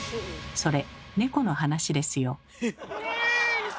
それ猫の話ですよ。